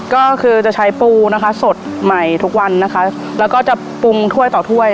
ก็คือจะใช้ปูนะคะสดใหม่ทุกวันนะคะแล้วก็จะปรุงถ้วยต่อถ้วย